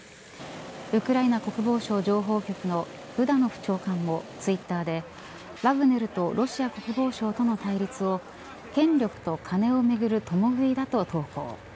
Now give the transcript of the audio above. ウクライナ国防省情報局のブダノフ長官もツイッターでワグネルとロシア国防省との対立を権力と金をめぐる共食いだと投稿。